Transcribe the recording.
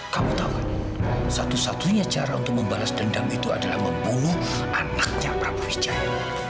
kamu tahu satu satunya cara untuk membalas dendam itu adalah membunuh anaknya prabu wicaya